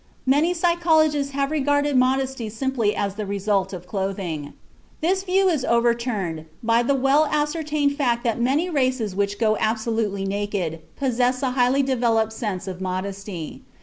Many psychologists have regarded modesty simply as the result of clothing. This view is overturned by the well ascertained fact that many races which go absolutely naked possess a highly developed sense of modesty.